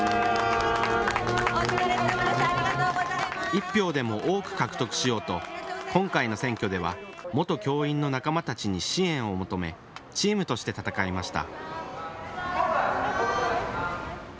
一票でも多く獲得しようと今回の選挙では元教員の仲間たちに支援を求めチームとして戦いました。